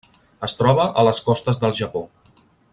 Es troba a les costes del Japó.